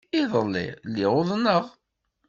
Iḍelli, lliɣ uḍneɣ.